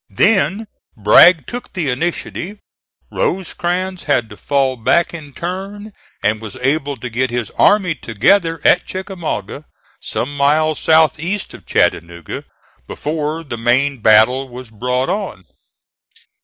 Then Bragg took the initiative. Rosecrans had to fall back in turn, and was able to get his army together at Chickamauga, some miles south east of Chattanooga, before the main battle was brought on.